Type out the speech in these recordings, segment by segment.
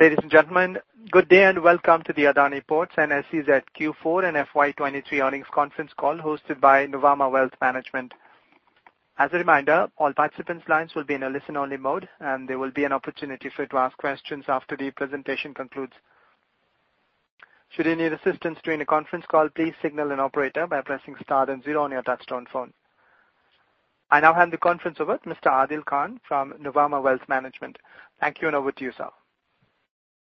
Ladies and gentlemen, good day, and welcome to the Adani Ports and SEZ Q4 and FY23 Earnings Conference Call, hosted by Nuvama Wealth Management. As a reminder, all participants' lines will be in a listen-only mode, and there will be an opportunity for you to ask questions after the presentation concludes. Should you need assistance during the conference call, please signal an operator by pressing star and zero on your touchtone phone. I now hand the conference over to Mr. Adil Khan from Nuvama Wealth Management. Thank you, and over to you, sir.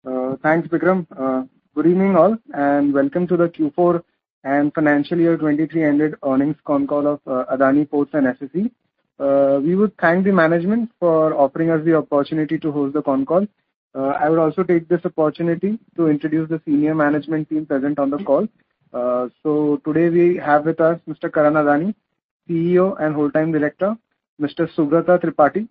Thanks, Vikram. Good evening, all, and welcome to the Q4 and financial year 2023 ended earnings con call of Adani Ports and SEZ. We would thank the management for offering us the opportunity to host the con call. I would also take this opportunity to introduce the senior management team present on the call. Today we have with us Mr. Karan Adani, CEO and Whole-Time Director; Mr. Subrata Tripathi,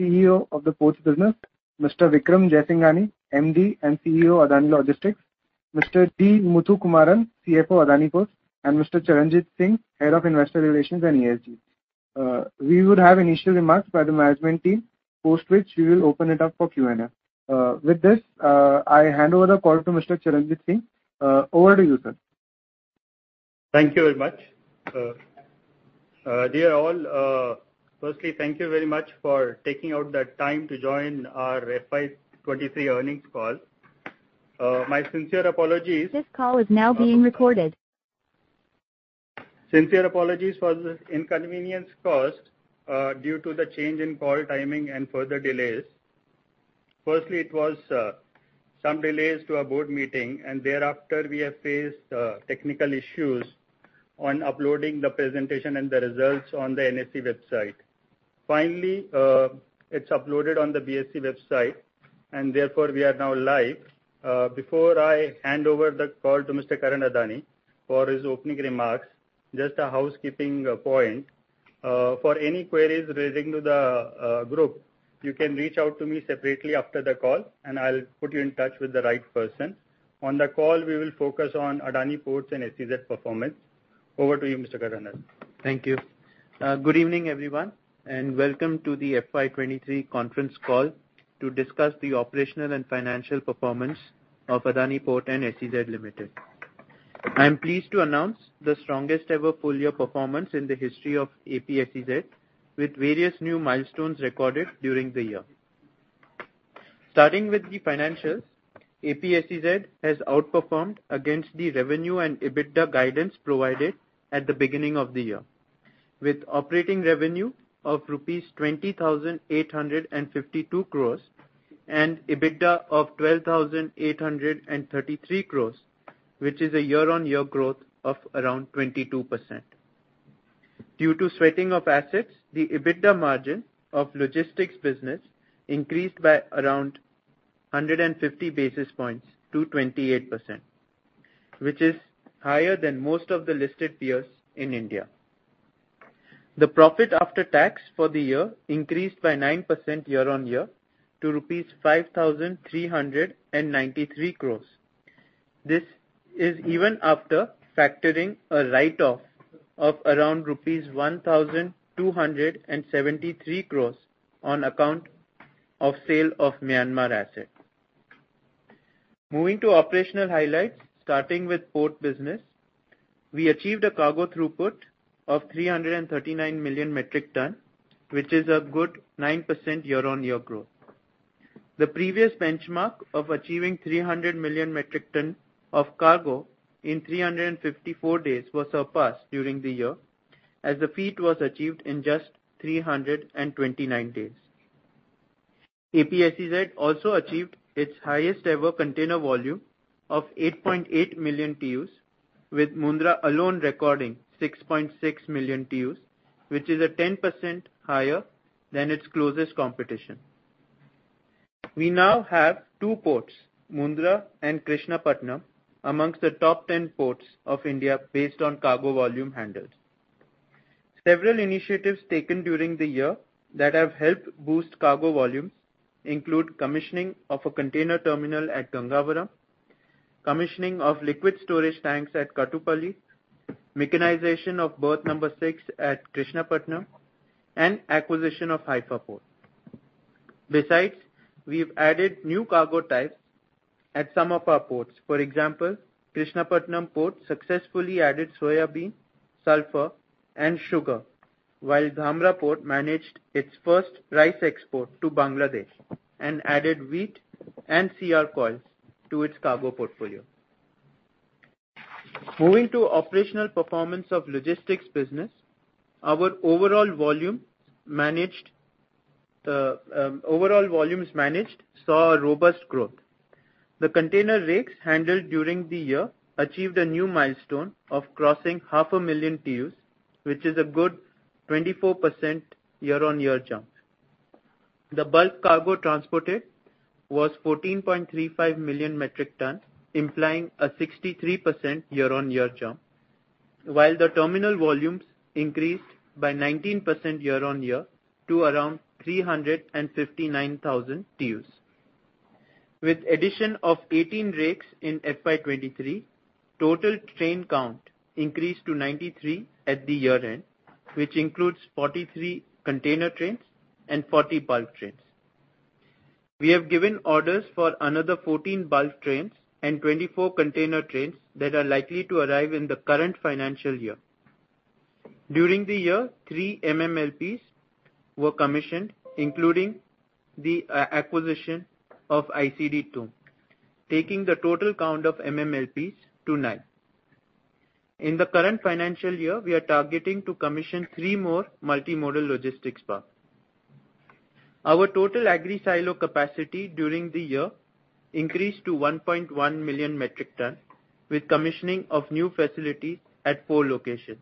CEO of the ports business; Mr. Vikram Jaisinghani, MD and CEO, Adani Logistics; Mr. D. Muthukumaran, CFO, Adani Ports; and Mr. Charanjit Singh, Head of Investor Relations and ESG. We would have initial remarks by the management team, post which we will open it up for Q&A. With this, I hand over the call to Mr. Charanjit Singh. Over to you, sir. Thank you very much. dear all, firstly, thank you very much for taking out the time to join our FY23 earnings call. Sincere apologies for the inconvenience caused, due to the change in call timing and further delays. Firstly, it was some delays to our board meeting. Thereafter, we have faced technical issues on uploading the presentation and the results on the NSE website. It's uploaded on the BSE website. Therefore, we are now live. Before I hand over the call to Mr. Karan Adani for his opening remarks, just a housekeeping point. For any queries relating to the group, you can reach out to me separately after the call. I'll put you in touch with the right person. On the call, we will focus on Adani Ports and SEZ performance. Over to you, Mr. Karan Adani. Thank you. Good evening, everyone, and welcome to the FY 2023 conference call to discuss the operational and financial performance of Adani Ports and SEZ Limited. I am pleased to announce the strongest-ever full-year performance in the history of APSEZ, with various new milestones recorded during the year. Starting with the financials, APSEZ has outperformed against the revenue and EBITDA guidance provided at the beginning of the year, with operating revenue of rupees 20,852 crores and EBITDA of 12,833 crores, which is a year-on-year growth of around 22%. Due to sweating of assets, the EBITDA margin of logistics business increased by around 150 basis points to 28%, which is higher than most of the listed peers in India. The profit after tax for the year increased by 9% year-on-year to rupees 5,393 crores. This is even after factoring a write-off of around rupees 1,273 crores on account of sale of Myanmar asset. Moving to operational highlights, starting with port business, we achieved a cargo throughput of 339 million metric ton, which is a good 9% year-on-year growth. The previous benchmark of achieving 300 million metric ton of cargo in 354 days was surpassed during the year, as the feat was achieved in just 329 days. APSEZ also achieved its highest-ever container volume of 8.8 million TEUs, with Mundra alone recording 6.6 million TEUs, which is a 10% higher than its closest competition. We now have two ports, Mundra and Krishnapatnam, amongst the top 10 ports of India based on cargo volume handled. Several initiatives taken during the year that have helped boost cargo volumes include commissioning of a container terminal at Gangavaram, commissioning of liquid storage tanks at Kattupalli, mechanization of berth number six at Krishnapatnam, and acquisition of Haifa Port. Besides, we've added new cargo types at some of our ports. For example, Krishnapatnam Port successfully added soya bean, sulfur, and sugar, while Dhamra Port managed its first rice export to Bangladesh and added wheat and CR coils to its cargo portfolio. Moving to operational performance of logistics business, our overall volumes managed saw a robust growth. The container rakes handled during the year achieved a new milestone of crossing half a million TEUs, which is a good 24% year-on-year jump. The bulk cargo transported was 14.35 million metric ton, implying a 63% year-on-year jump, while the terminal volumes increased by 19% year-on-year to around 359,000 TEUs. With addition of 18 rakes in FY 2023, total train count increased to 93 at the year-end, which includes 43 container trains and 40 bulk trains. We have given orders for another 14 bulk trains and 24 container trains that are likely to arrive in the current financial year. During the year, three MMLPs were commissioned, including the acquisition of ICD Tumb, taking the total count of MMLPs to nine. In the current financial year, we are targeting to commission three more multimodal logistics park. Our total agri silo capacity during the year increased to 1.1 million metric ton, with commissioning of new facilities at four locations.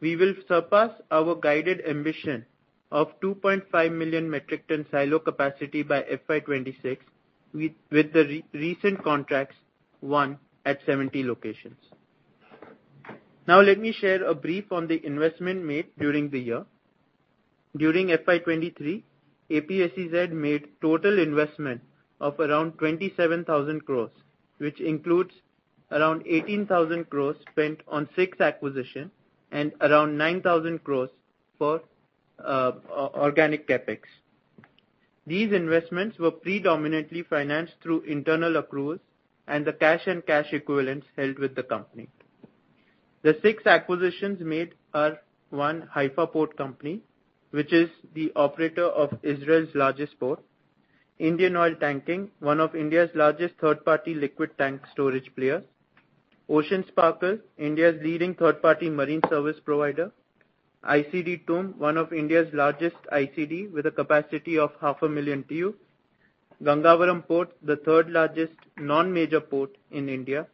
We will surpass our guided ambition of 2.5 million metric ton silo capacity by FY26 with the recent contracts, won at 70 locations. Let me share a brief on the investment made during the year. During FY23, APSEZ made total investment of around 27,000 crores, which includes around 18,000 crores spent on six acquisitions and around 9,000 crores for organic CapEx. These investments were predominantly financed through internal accruals and the cash and cash equivalents held with the company. The 6 acquisitions made are, 1, Haifa Port Company, which is the operator of Israel's largest port, Indian Oiltanking, one of India's largest third-party liquid tank storage players; Ocean Sparkle, India's leading third-party marine service provider, ICD Tumb, one of India's largest ICD, with a capacity of half a million TEU; Gangavaram Port, the third-largest non-major port in India,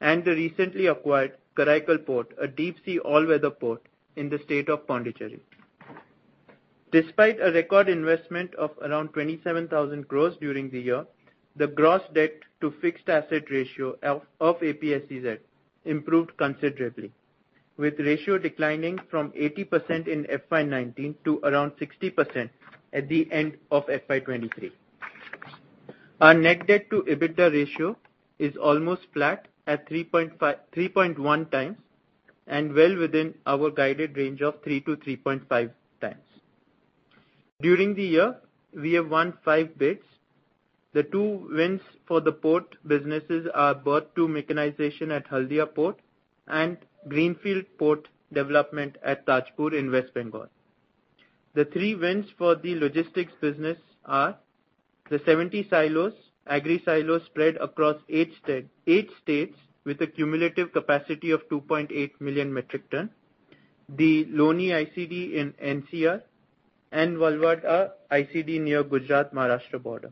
and the recently acquired Karaikal Port, a deep-sea, all-weather port in the state of Puducherry. Despite a record investment of around 27,000 crores during the year, the gross debt to fixed asset ratio of APSEZ improved considerably, with ratio declining from 80% in FY19 to around 60% at the end of FY23. Our net debt to EBITDA ratio is almost flat at 3.1 times and well within our guided range of 3 times-3.5 times. During the year, we have won five bids. The two wins for the port businesses are berth two mechanization at Haldia Port and Greenfield port development at Tajpur in West Bengal. The three wins for the logistics business are the 70 silos, agri silos spread across eight states with a cumulative capacity of 2.8 million metric ton, the Loni ICD in NCR, and Valvada ICD near Gujarat, Maharashtra border.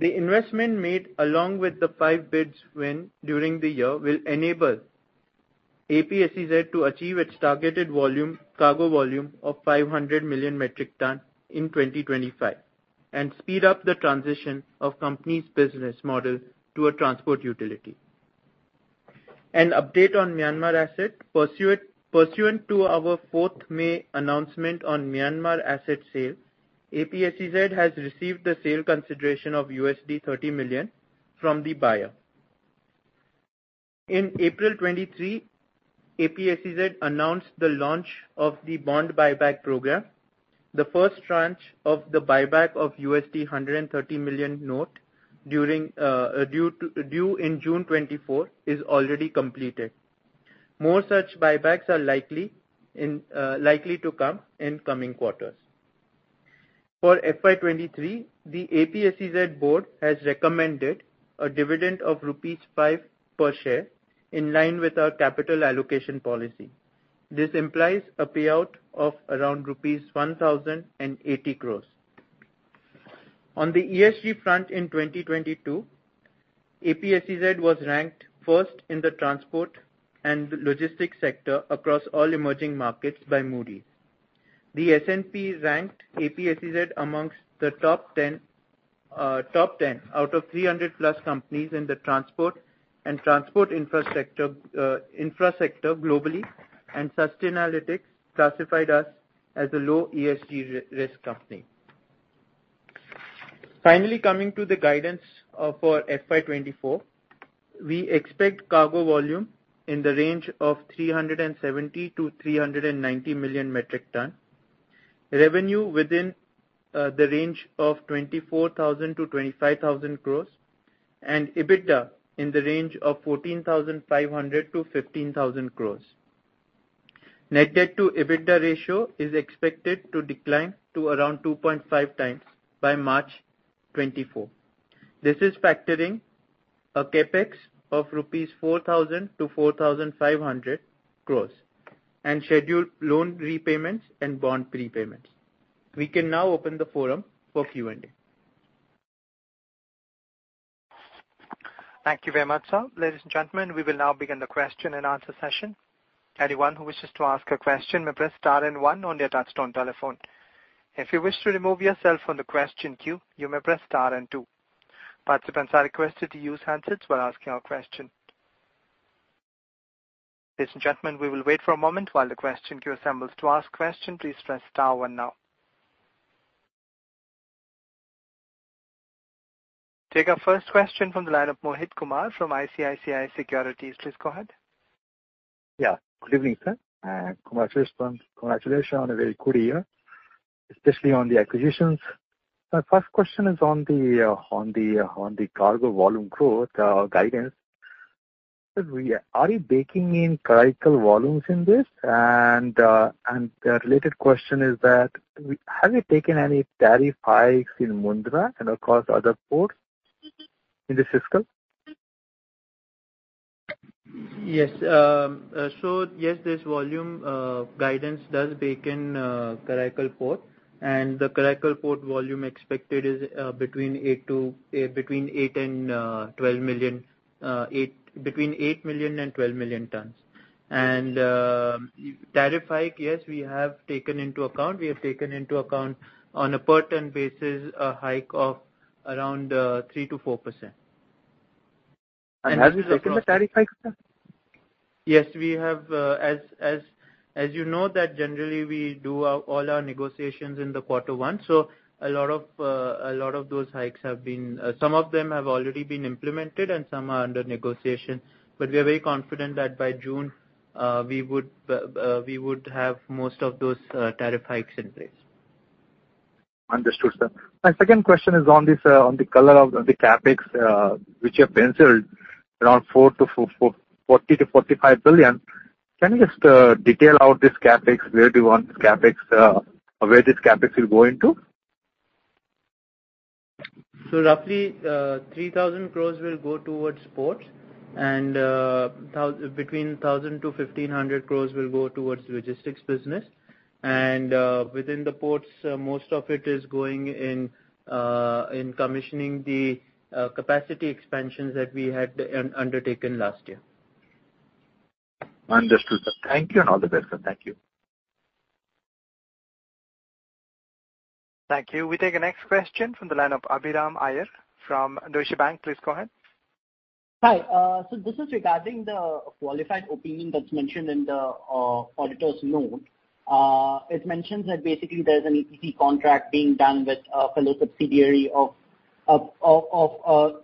The investment made along with the five bids win during the year will enable APSEZ to achieve its targeted volume, cargo volume of 500 million metric ton in 2025, and speed up the transition of company's business model to a transport utility. An update on Myanmar asset. Pursuant to our 4th May announcement on Myanmar asset sale, APSEZ has received the sale consideration of USD 30 million from the buyer. In April 2023, APSEZ announced the launch of the bond buyback program. The first tranche of the buyback of $130 million note due in June 2024, is already completed. More such buybacks are likely to come in coming quarters. For FY 2023, the APSEZ board has recommended a dividend of rupees 5 per share, in line with our capital allocation policy. This implies a payout of around rupees 1,080 crores. On the ESG front in 2022, APSEZ was ranked first in the transport and logistics sector across all emerging markets by Moody's. The S&P ranked APSEZ amongst the top 10 out of 300-plus companies in the transport and transport infrasector globally, and Sustainalytics classified us as a low ESG risk company. Finally, coming to the guidance, for FY 2024. We expect cargo volume in the range of 370 million-390 million metric ton, revenue within the range of 24,000 crore-25,000 crore, and EBITDA in the range of 14,500 crore-15,000 crore. Net debt to EBITDA ratio is expected to decline to around 2.5 times by March 2024. This is factoring a CapEx of 4,000 crore-4,500 crore rupees and scheduled loan repayments and bond prepayments. We can now open the forum for Q&A. Thank you very much, sir. Ladies and gentlemen, we will now begin the question-and-answer session. Anyone who wishes to ask a question, may press star and one on your touchtone telephone. If you wish to remove yourself from the question queue, you may press star and. Participants are requested to use handsets while asking your question. Ladies and gentlemen, we will wait for a moment while the question queue assembles. To ask question, please press star one now. Take our first question from the line of Mohit Kumar from ICICI Securities. Please go ahead. Yeah. Good evening, sir, and congratulations. Congratulations on a very good year, especially on the acquisitions. My first question is on the cargo volume growth guidance. Are you baking in critical volumes in this? The related question is that, have you taken any tariff hikes in Mundra and across other ports in this fiscal? Yes, this volume guidance does bake in Karaikal Port, and the Karaikal Port volume expected is between 8 million and 12 million tons. Tariff hike, yes, we have taken into account. We have taken into account on a per ton basis, a hike of around 3%-4%. Have you taken the tariff hike, sir? We have. As you know, that generally we do all our negotiations in quarter one. A lot of those hikes have been, some of them have already been implemented and some are under negotiation. We are very confident that by June, we would have most of those tariff hikes in place. Understood, sir. My second question is on this, on the color of the CapEx, which you have penciled around 40 billion-45 billion. Can you just detail out this CapEx, where do you want this CapEx, or where this CapEx will go into? Roughly, 3,000 crores will go towards ports, and between 1,000 crores-1,500 crores will go towards logistics business. Within the ports, most of it is going in commissioning the capacity expansions that we had undertaken last year. Understood, sir. Thank you, and all the best, sir. Thank you. Thank you. We take the next question from the line of Abhiram Iyer from Deutsche Bank. Please go ahead. Hi. This is regarding the qualified opinion that's mentioned in the auditor's note. It mentions that basically there's an EPC contract being done with a fellow subsidiary of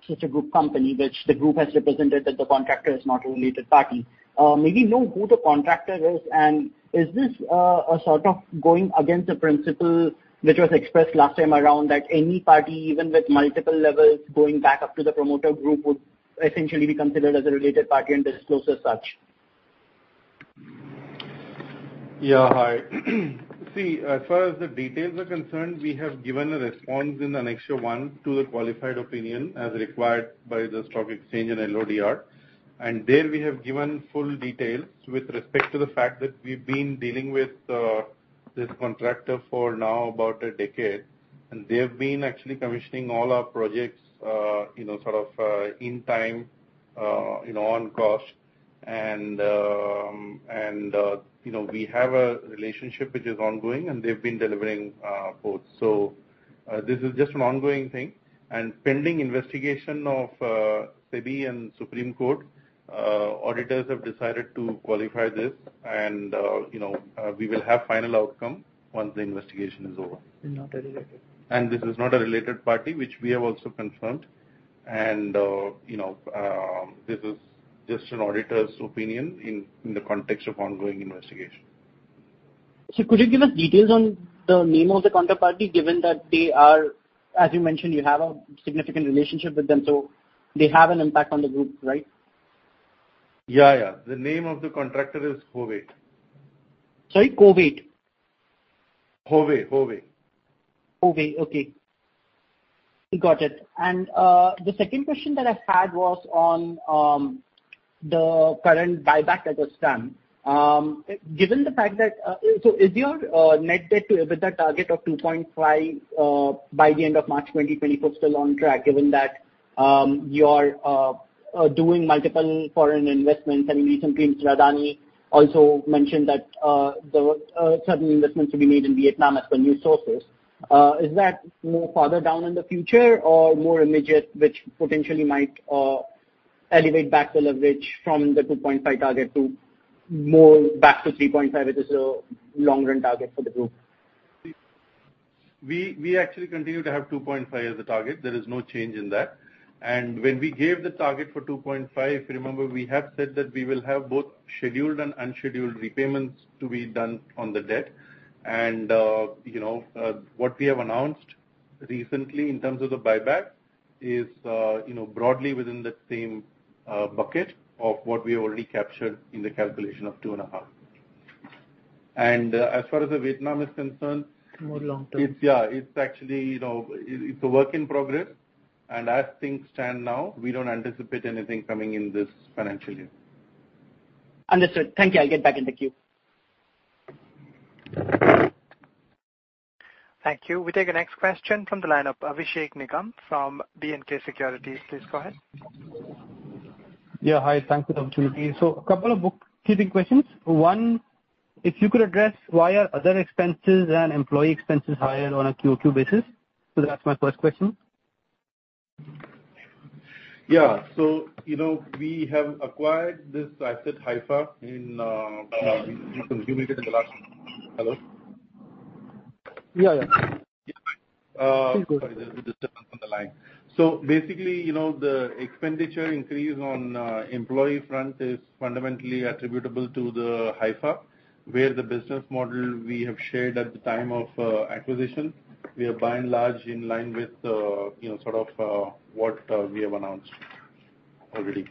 such a group company, which the group has represented that the contractor is not a related party. May we know who the contractor is, and is this a sort of going against the principle which was expressed last time around that any party, even with multiple levels, going back up to the promoter group, would essentially be considered as a related party and disclosed as such? Yeah, hi. See, as far as the details are concerned, we have given a response in Annexure 1 to the qualified opinion, as required by the stock exchange and LODR. There we have given full details with respect to the fact that we've been dealing with this contractor for now about a decade, and they've been actually commissioning all our projects, you know, sort of, in time, you know, on cost. We have a relationship which is ongoing, and they've been delivering both. This is just an ongoing thing, and pending investigation of SEBI and Supreme Court, auditors have decided to qualify this. We will have final outcome once the investigation is over. Not a related. This is not a related party, which we have also confirmed. You know, this is just an auditor's opinion in the context of ongoing investigation. Could you give us details on the name of the counterparty, given that they are, as you mentioned, you have a significant relationship with them, so they have an impact on the group, right? Yeah, yeah. The name of the contractor is Hovet. Sorry, Hovet? Hovet. Hovet, okay. We got it. The second question that I had was on the current buyback that was done. Given the fact that is your net debt to EBITDA target of 2.5 by the end of March 2024 still on track, given that you're doing multiple foreign investments? I mean, recently, Mr. Adani also mentioned that there were certain investments to be made in Vietnam as the new sources. Is that more farther down in the future or more immediate, which potentially might elevate back the leverage from the 2.5 target to more back to 3.5, which is a long-run target for the group? We actually continue to have 2.5 as the target. There is no change in that. When we gave the target for 2.5, if you remember, we have said that we will have both scheduled and unscheduled repayments to be done on the debt. You know, what we have announced recently in terms of the buyback is, you know, broadly within that same bucket of what we already captured in the calculation of 2.5. As far as the Vietnam is concerned- More long term. It's Yeah, it's actually, you know, it's a work in progress, and as things stand now, we don't anticipate anything coming in this financial year. Understood. Thank you. I'll get back in the queue. Thank you. We take the next question from the line of Abhishek Nigam from BNK Securities. Please go ahead. Hi. Thank you for the opportunity. A couple of bookkeeping questions. One, if you could address, why are other expenses and employee expenses higher on a QOQ basis? That's my first question. Yeah. you know, we have acquired this asset, Haifa, in, you know, we did it in the last... Hello? Yeah, yeah. Sorry, there's a disturbance on the line. Basically, you know, the expenditure increase on employee front is fundamentally attributable to the Haifa, where the business model we have shared at the time of acquisition, we are by and large in line with, you know, sort of, what we have announced already.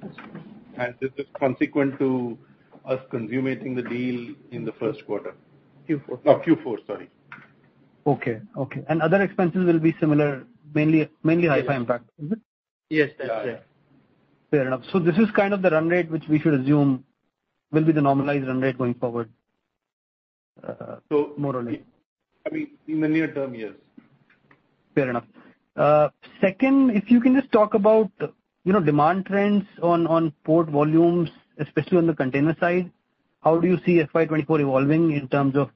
This is consequent to us consummating the deal in the first quarter. Q4. Oh, Q4. Sorry. Okay, okay. Other expenses will be similar, mainly Haifa impact, is it? Yes, that's it. Fair enough. This is kind of the run rate, which we should assume will be the normalized run rate going forward, more or less. I mean, in the near term, yes. Fair enough. Second, if you can just talk about, you know, demand trends on port volumes, especially on the container side. How do you see FY 2024 evolving in terms of,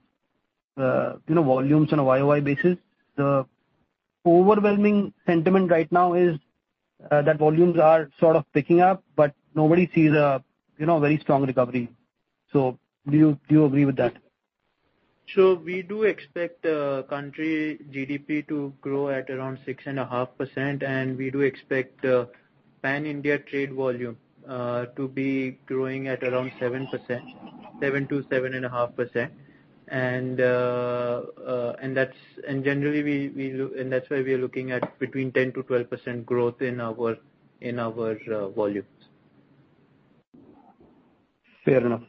you know, volumes on a YOY basis? The overwhelming sentiment right now is that volumes are sort of picking up, but nobody sees a, you know, very strong recovery. Do you agree with that? We do expect the country GDP to grow at around 6.5%, and we do expect pan-India trade volume to be growing at around 7%, 7%-7.5%. Generally, that's why we are looking at between 10%-12% growth in our, in our volumes.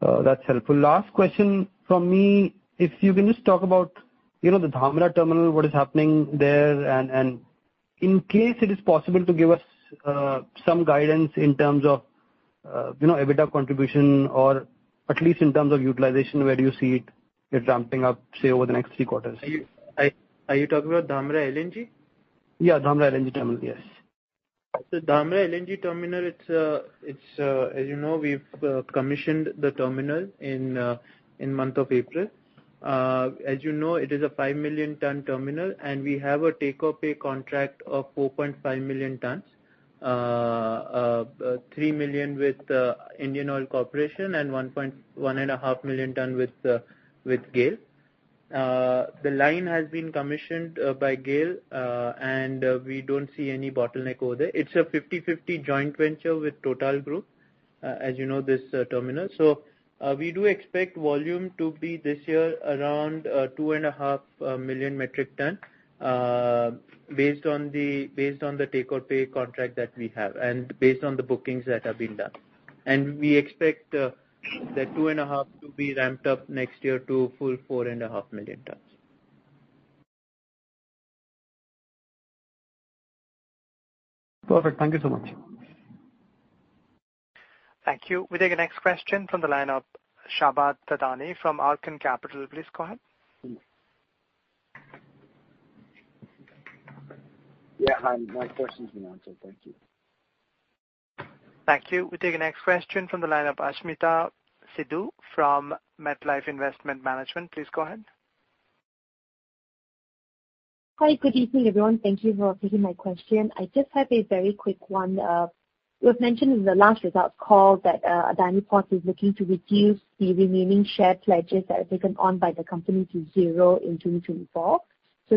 Fair enough. That's helpful. Last question from me. If you can just talk about, you know, the Dhamra terminal, what is happening there, and in case it is possible, to give us some guidance in terms of, you know, EBITDA contribution, or at least in terms of utilization, where do you see it ramping up, say, over the next three quarters? Are you, are you talking about Dhamra LNG? Yeah, Dhamra LNG Terminal, yes. The Dhamra LNG Terminal, as you know, we've commissioned the terminal in month of April. As you know, it is a 5 million ton terminal, and we have a take or pay contract of 4.5 million tons. 3 million with Indian Oil Corporation and one and a half million ton with GAIL. The line has been commissioned by GAIL, and we don't see any bottleneck over there. It's a 50/50 joint venture with Total Group, as you know, this terminal. We do expect volume to be, this year, around two and a half million metric ton, based on the take or pay contract that we have, and based on the bookings that have been done. we expect, the 2.5 to be ramped up next year to full 4.5 million tons. Perfect. Thank you so much. Thank you. We take the next question from the line of Shabad Thadani from Arkkan Capital. Please go ahead. Yeah, my question has been answered. Thank you. Thank you. We take the next question from the line of Ashmita Sidhu from MetLife Investment Management. Please go ahead. Hi, good evening, everyone. Thank you for taking my question. I just have a very quick one. You have mentioned in the last results call that Adani Ports is looking to reduce the remaining share pledges that are taken on by the company to zero in 2024.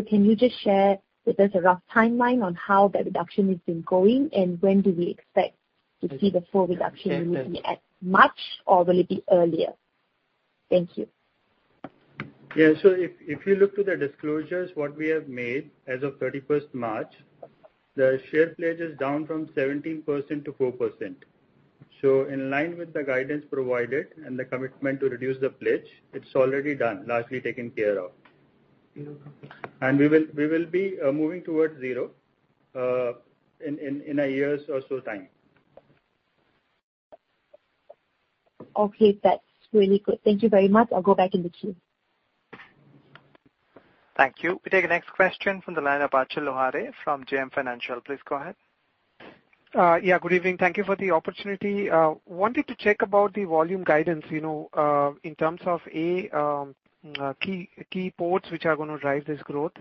Can you just share with us a rough timeline on how that reduction has been going, and when do we expect to see the full reduction, maybe at March, or will it be earlier? Thank you. If you look to the disclosures, what we have made as of 31st March, the share pledge is down from 17% to 4%. In line with the guidance provided and the commitment to reduce the pledge, it's already done, largely taken care of. We will be moving towards zero, in a year's or so time. Okay, that's really good. Thank you very much. I'll go back in the queue. Thank you. We take the next question from the line of Achal Lohade from JM Financial. Please go ahead. Yeah, good evening. Thank you for the opportunity. Wanted to check about the volume guidance, you know, in terms of, A, key ports, which are gonna drive this growth.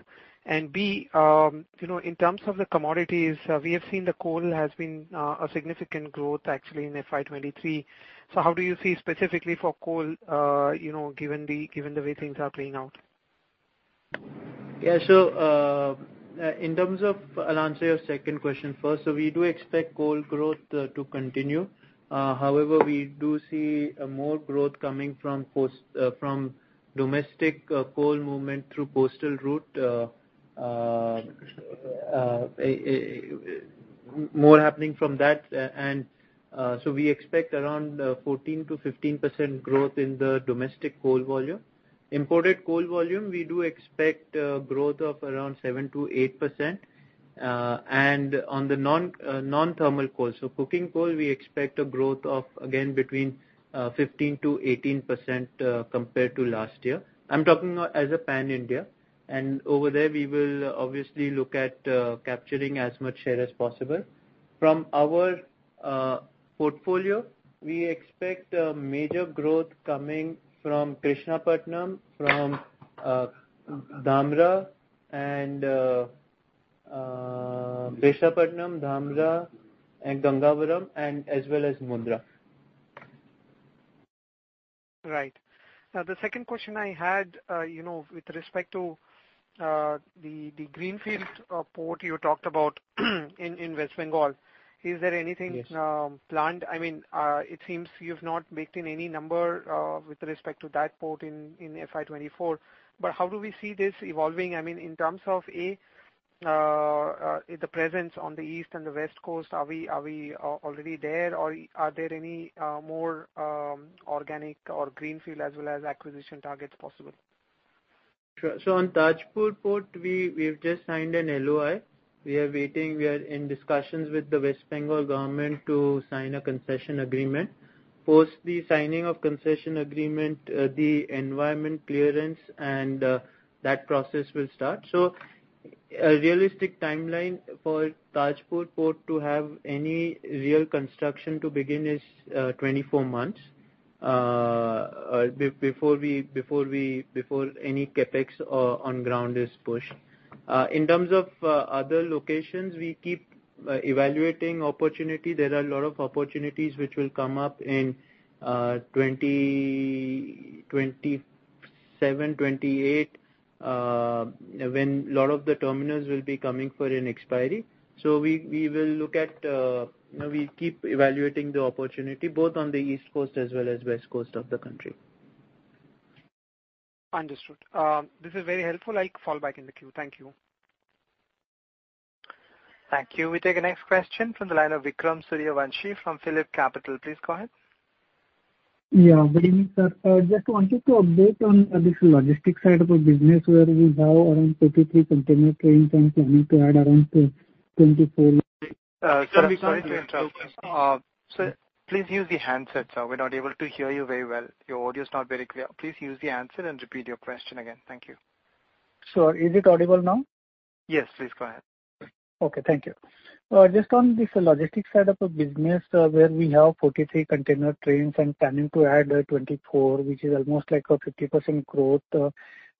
B, you know, in terms of the commodities, we have seen the coal has been a significant growth actually in FY 23. How do you see specifically for coal, you know, given the way things are playing out? Yeah, in terms of, I'll answer your second question first. We do expect coal growth to continue. However, we do see more growth coming from domestic, coal movement through postal route. more happening from that. We expect around 14%-15% growth in the domestic coal volume. Imported coal volume, we do expect growth of around 7%-8%, and on the non-thermal coal, so coking coal, we expect a growth of again between 15%-18%, compared to last year. I'm talking as a pan-India, and over there, we will obviously look at capturing as much share as possible. From our portfolio, we expect a major growth coming from Krishnapatnam, Dhamra, and Gangavaram, and as well as Mundra. Right. Now, the second question I had, you know, with respect to the greenfield port you talked about in West Bengal. Is there anything planned? I mean, it seems you've not baked in any number with respect to that port in FY 2024. How do we see this evolving? I mean, in terms of, A, the presence on the east and the west coast, are we already there, or are there any more organic or greenfield as well as acquisition targets possible? Sure. On Tajpur Port, we've just signed an LOI. We are waiting. We are in discussions with the West Bengal government to sign a concession agreement. Post the signing of concession agreement, the environment clearance and that process will start. A realistic timeline for Tajpur Port to have any real construction to begin is 24 months before any CapEx on ground is pushed. In terms of other locations, we keep evaluating opportunity. There are a lot of opportunities which will come up in 2027, 2028, when a lot of the terminals will be coming for an expiry. We will look at. We keep evaluating the opportunity both on the East Coast as well as West Coast of the country. Understood. This is very helpful. I fall back in the queue. Thank you. Thank you. We take the next question from the line of Vikram Suryavanshi from PhillipCapital. Please go ahead. Yeah. Good evening, sir. Just wanted to update on this logistics side of the business, where we have around 43 container trains and planning to add around 2024 Sir, please use the handset, sir. We're not able to hear you very well. Your audio is not very clear. Please use the handset and repeat your question again. Thank you. Is it audible now? Yes, please go ahead. Okay. Thank you. Just on this logistics side of the business, where we have 43 container trains and planning to add 24, which is almost like a 50% growth,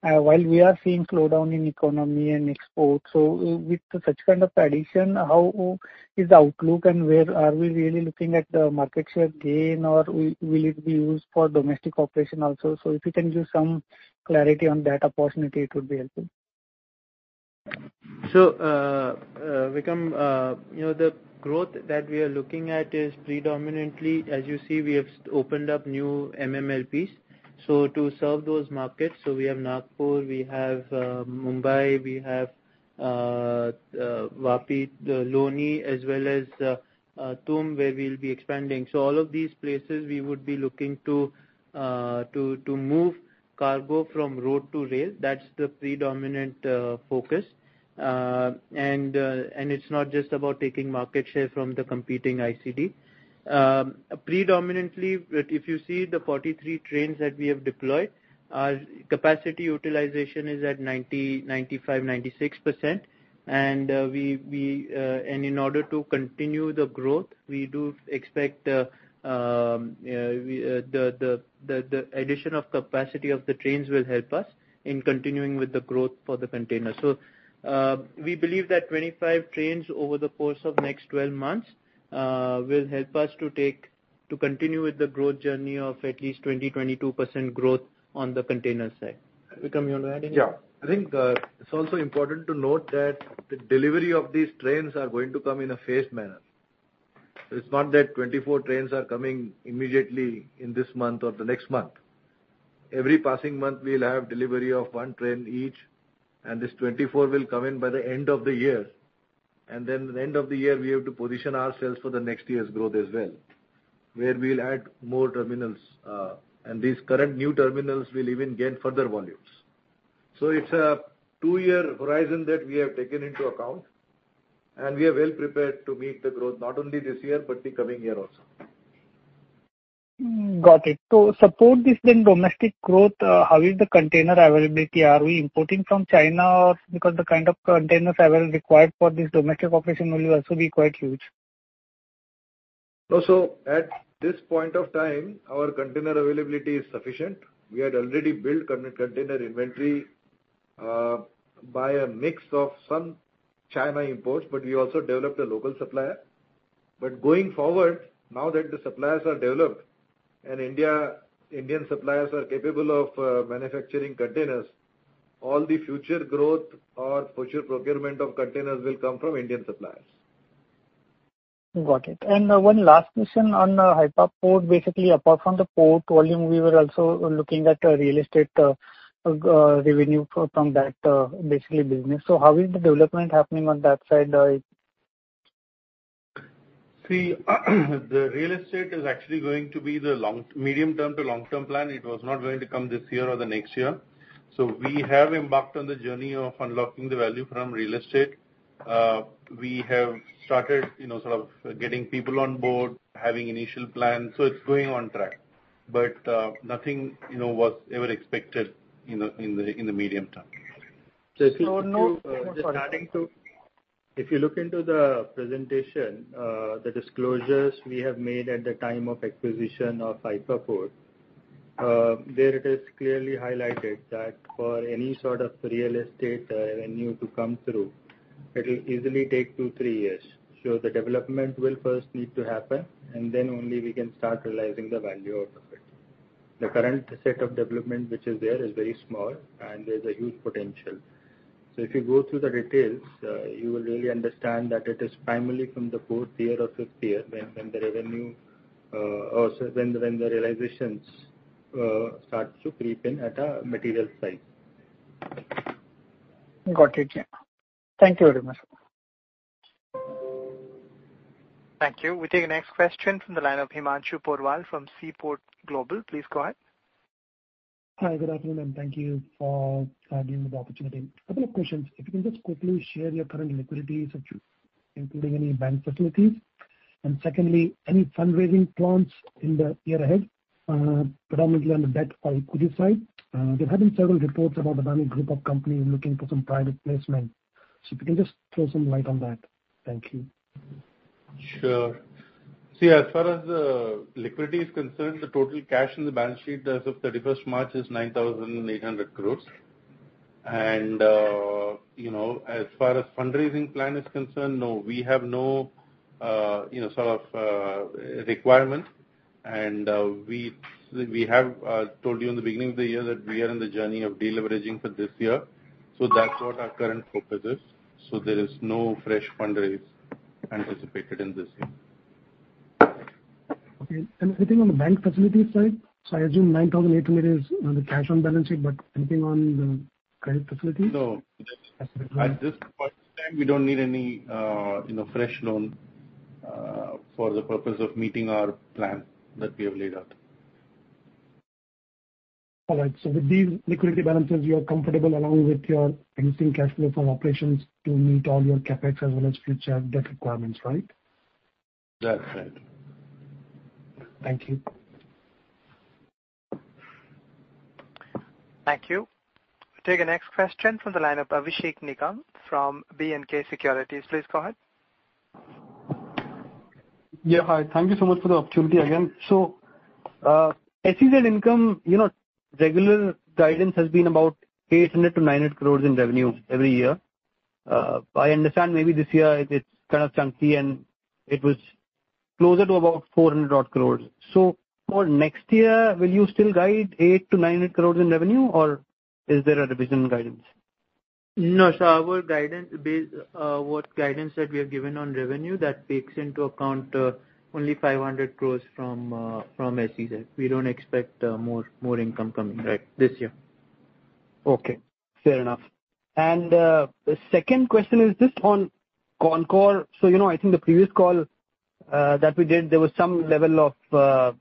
while we are seeing slowdown in economy and exports. With such kind of addition, how is the outlook and where are we really looking at the market share gain, or will it be used for domestic operation also? If you can give some clarity on that opportunity, it would be helpful. Vikram, you know, the growth that we are looking at is predominantly, as you see, we have opened up new MMLPs. To serve those markets, we have Nagpur, we have Mumbai, we have Vapi, Loni, as well as Tumb, where we'll be expanding. All of these places, we would be looking to move cargo from road to rail. That's the predominant focus. It's not just about taking market share from the competing ICD. Predominantly, if you see the 43 trains that we have deployed, our capacity utilization is at 90%, 95%, 96%. We, In order to continue the growth, we do expect the addition of capacity of the trains will help us in continuing with the growth for the container. We believe that 25 trains over the course of next 12 months will help us to continue with the growth journey of at least 20%-22% growth on the container side. Vikram, you want to add anything? I think it's also important to note that the delivery of these trains are going to come in a phased manner. It's not that 24 trains are coming immediately in this month or the next month. Every passing month, we'll have delivery of 1 train each, and this 24 will come in by the end of the year. The end of the year, we have to position ourselves for the next year's growth as well, where we will add more terminals, and these current new terminals will even get further volumes. It's a two-year horizon that we have taken into account, and we are well prepared to meet the growth not only this year, but the coming year also. Got it. To support this then domestic growth, how is the container availability? Are we importing from China? The kind of container available required for this domestic operation will also be quite huge. At this point of time, our container availability is sufficient. We had already built container inventory by a mix of some China imports, but we also developed a local supplier. Going forward, now that the suppliers are developed and Indian suppliers are capable of manufacturing containers, all the future growth or future procurement of containers will come from Indian suppliers. Got it. One last question on the Hyperport. Basically, apart from the port volume, we were also looking at real estate revenue from that basically business. How is the development happening on that side? See, the real estate is actually going to be the medium-term to long-term plan. It was not going to come this year or the next year. We have embarked on the journey of unlocking the value from real estate. We have started, you know, sort of getting people on board, having initial plans, so it's going on track. Nothing, you know, was ever expected, you know, in the medium term. So if you- no. If you look into the presentation, the disclosures we have made at the time of acquisition of Hyperport.here it is clearly highlighted that for any sort of real estate, revenue to come through, it'll easily take two, three years. The development will first need to happen, and then only we can start realizing the value out of it. The current set of development, which is there, is very small, and there's a huge potential. If you go through the details, you will really understand that it is primarily from the fourth year or fifth year when the revenue, or so when the realizations, start to creep in at a material size. Got it. Thank you very much. Thank you. We take the next question from the line of Himanshu Porwal from Seaport Global. Please go ahead. Hi, good afternoon, and thank you for giving me the opportunity. A couple of questions. If you can just quickly share your current liquidity situation, including any bank facilities. Secondly, any fundraising plans in the year ahead, predominantly on the debt or equity side? There have been several reports about the Bamix Group of companies looking for some private placement. If you can just throw some light on that. Thank you. Sure. See, as far as liquidity is concerned, the total cash in the balance sheet as of 31st March is 9,800 crores. You know, as far as fundraising plan is concerned, no, we have no, you know, sort of requirement. We have told you in the beginning of the year that we are in the journey of deleveraging for this year, so that's what our current focus is. There is no fresh fundraise anticipated in this year. Okay. Anything on the bank facility side? I assume 9,800 is on the cash on balance sheet, but anything on the credit facility? No, at this point in time, we don't need any, you know, fresh loan, for the purpose of meeting our plan that we have laid out. All right. With these liquidity balances, you are comfortable along with your existing cash flow from operations to meet all your CapEx as well as future debt requirements, right? That's right. Thank you. Thank you. We take the next question from the line of Abhishek Nigam from BNK Securities. Please go ahead. Hi. Thank you so much for the opportunity again. SEZ income, you know, regular guidance has been about 800 crore-900 crore in revenue every year. I understand maybe this year it's kind of chunky, and it was closer to about 400 odd crore. For next year, will you still guide 800 crore-900 crore in revenue, or is there a revision in guidance? No, sir. What guidance that we have given on revenue, that takes into account only 500 crores from from SEZ. We don't expect more income from it this year. Okay, fair enough. The second question is just on CONCOR. You know, I think the previous call that we did, there was some level of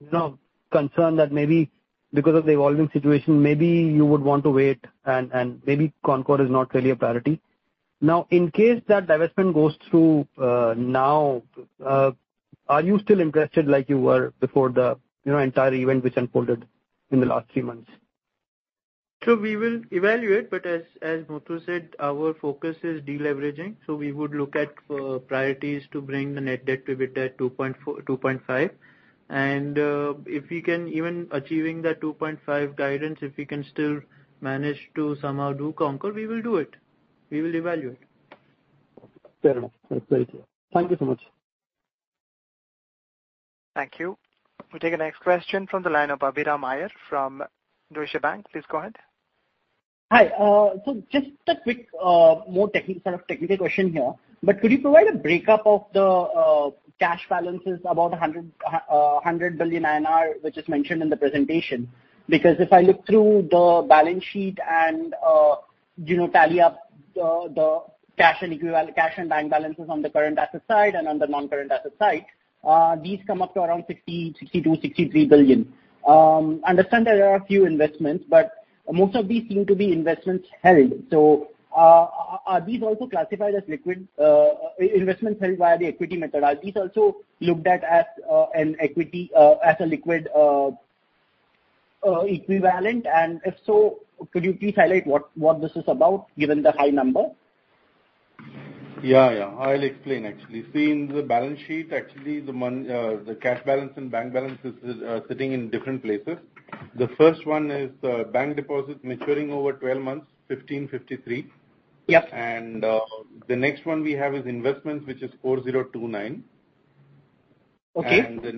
you know, concern that maybe because of the evolving situation, maybe you would want to wait, and maybe CONCOR is not really a priority. Now, in case that divestment goes through, now, are you still interested like you were before the, you know, entire event which unfolded in the last three months? We will evaluate, but as Muthu said, our focus is deleveraging, so we would look at priorities to bring the net debt to EBITDA 2.4, 2.5. If we can even achieving the 2.5 guidance, if we can still manage to somehow do CONCOR, we will do it. We will evaluate. Fair enough. That's great. Thank you so much. Thank you. We take the next question from the line of Abhiram Iyer from Deutsche Bank. Please go ahead. Hi. So just a quick sort of technical question here, but could you provide a breakup of the cash balances about 100 billion INR, which is mentioned in the presentation? If I look through the balance sheet and, you know, tally up the cash and bank balances on the current asset side and on the non-current asset side, these come up to around 60 billion-63 billion. Understand there are a few investments, but most of these seem to be investments held. Are these also classified as liquid investments held via the equity methodology, these also looked at as an equity as a liquid equivalent? If so, could you please highlight what this is about, given the high number? Yeah, yeah. I'll explain actually. See, in the balance sheet, actually, the cash balance and bank balance is sitting in different places. The first one is bank deposit maturing over 12 months, 1,553 crores. Yep. The next one we have is investments, which is 4,029 crores. Okay. The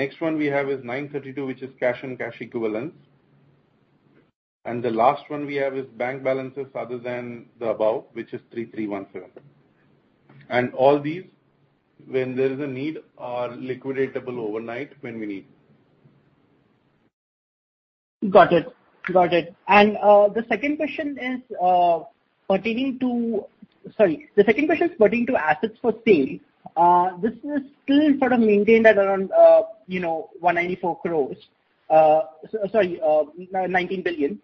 next one we have is 932 crores, which is cash and cash equivalents. The last one we have is bank balances other than the above, which is 3,317 crores. All these, when there is a need, are liquidatable overnight when we need. Got it. Got it. The second question is pertaining to... Sorry, the second question is pertaining to assets for sale. This is still sort of maintained at around, you know, 194 crores. Sorry, 19 billion.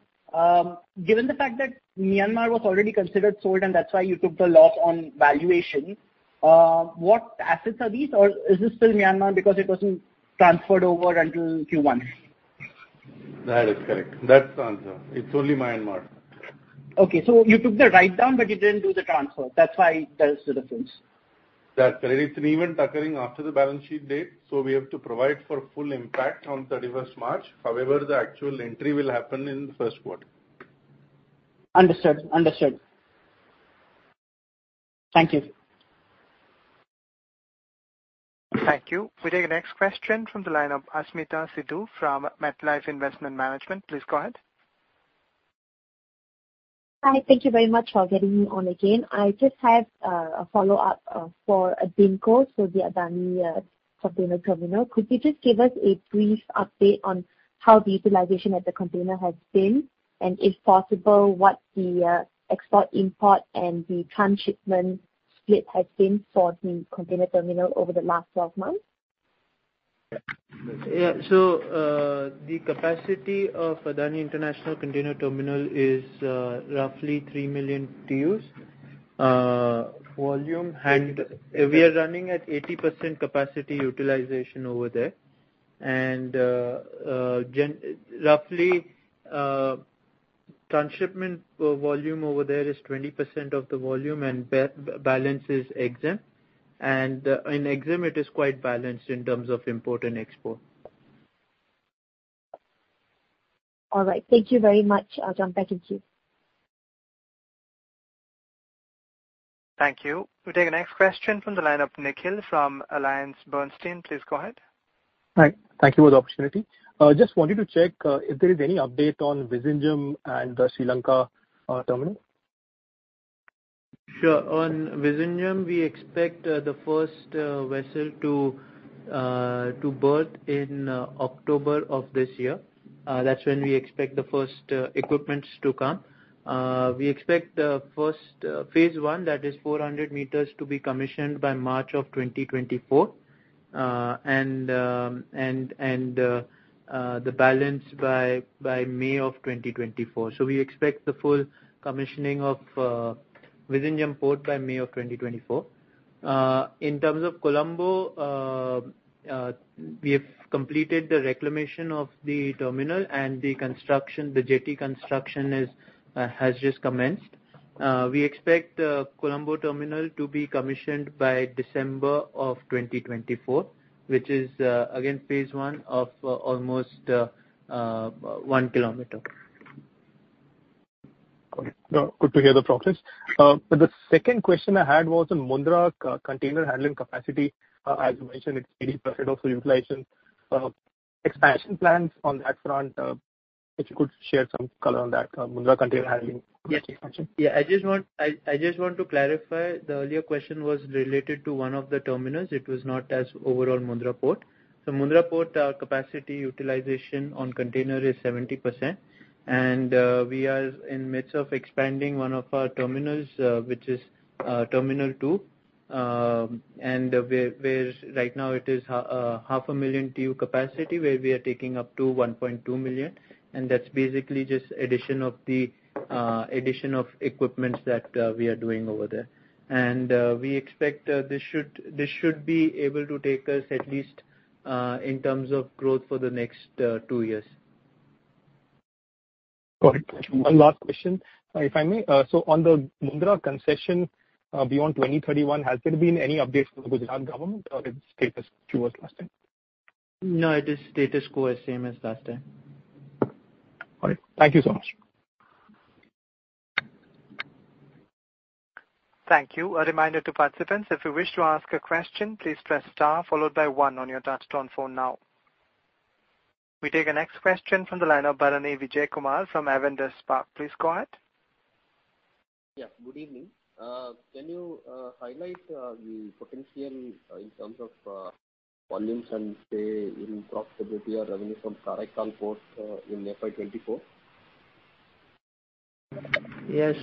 Given the fact that Myanmar was already considered sold, and that's why you took the loss on valuation, what assets are these? Or is this still Myanmar because it wasn't transferred over until Q1? That is correct. That's the answer. It's only Myanmar. You took the write-down, but you didn't do the transfer. That's why there's the difference. That's correct. It's an event occurring after the balance sheet date, so we have to provide for full impact on 31st March. The actual entry will happen in the first quarter. Understood. Understood. Thank you. Thank you. We take the next question from the line of Asmeeta Sidhu from MetLife Investment Management. Please go ahead. Hi, thank you very much for getting me on again. I just have a follow-up for ADINCO, so the Adani Container Terminal. Could you just give us a brief update on how the utilization at the container has been, and if possible, what the export, import, and the transshipment split has been for the container terminal over the last 12 months? Yeah, the capacity of Adani International Container Terminal is roughly 3 million TEUs. We are running at 80% capacity utilization over there. Roughly, transshipment volume over there is 20% of the volume, and balance is EXIM. In EXIM, it is quite balanced in terms of import and export. All right. Thank you very much. I'll jump back in queue. Thank you. We take the next question from the line of Nikhil from AllianceBernstein. Please go ahead. Hi. Thank you for the opportunity. Just wanted to check if there is any update on Vizhinjam and the Sri Lanka terminal? Sure. On Vizhinjam, we expect the first vessel to berth in October of this year. That's when we expect the first equipments to come. We expect the first phase one, that is 400 meters, to be commissioned by March of 2024, and the balance by May of 2024. We expect the full commissioning of Vizhinjam Port by May of 2024. In terms of Colombo, we have completed the reclamation of the terminal, and the construction, the jetty construction has just commenced. We expect the Colombo terminal to be commissioned by December of 2024, which is again, phase one of almost 1 km. Got it. Good to hear the progress. The second question I had was on Mundra container handling capacity. As you mentioned, it's 80% of utilization. Expansion plans on that front, if you could share some color on that, Mundra container handling capacity. Yes. I just want to clarify, the earlier question was related to one of the terminals. It was not as overall Mundra Port. Mundra Port capacity utilization on container is 70%, and we are in midst of expanding one of our terminals, which is terminal two, and where right now it is 0.5 million TEU capacity, where we are taking up to 1.2 million, and that's basically just addition of the equipments that we are doing over there. We expect this should be able to take us at least in terms of growth for the next 2 years. Got it. One last question, if I may. On the Mundra concession, beyond 2031, has there been any updates from the Gujarat government or it's status quo as last time? No, it is status quo as same as last time. All right. Thank you so much. Thank you. A reminder to participants, if you wish to ask a question, please press star followed by one on your touchtone phone now. We take the next question from the line of Bharanidhar Vijayakumar from Avendus Spark. Please go ahead. Yeah, good evening. Can you highlight the potential in terms of volumes and, say, in profitability or revenue from Karaikal Port in FY 2024? As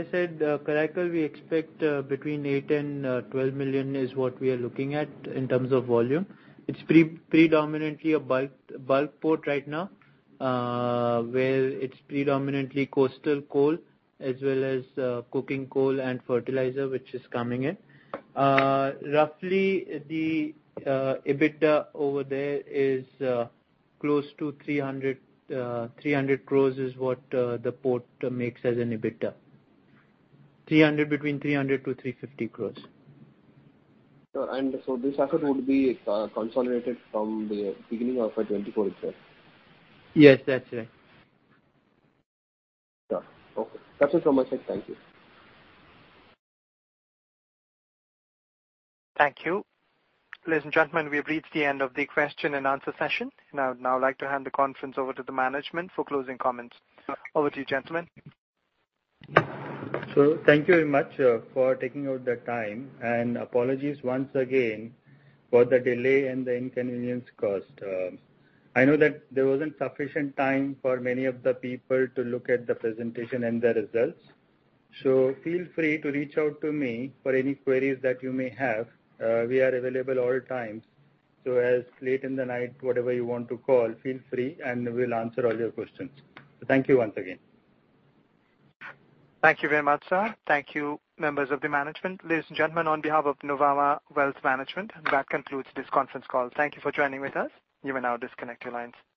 I said, Karaikal, we expect between 8 million and 12 million is what we are looking at in terms of volume. It's predominantly a bulk port right now, where it's predominantly coastal coal as well as cooking coal and fertilizer, which is coming in. Roughly, the EBITDA over there is close to 300 crores is what the port makes as an EBITDA. Between 300-350 crores. This figure would be consolidated from the beginning of our 2024 year? Yes, that's right. Yeah. Okay. That's it from my side. Thank you. Thank you. Ladies and gentlemen, we have reached the end of the question and answer session. I would now like to hand the conference over to the management for closing comments. Over to you, gentlemen. Thank you very much for taking out the time, and apologies once again for the delay and the inconvenience caused. I know that there wasn't sufficient time for many of the people to look at the presentation and the results, so feel free to reach out to me for any queries that you may have. We are available all times, so as late in the night, whatever you want to call, feel free, and we'll answer all your questions. Thank you once again. Thank you very much, sir. Thank you, members of the management. Ladies and gentlemen, on behalf of Nuvama Wealth Management, that concludes this conference call. Thank you for joining with us. You may now disconnect your lines.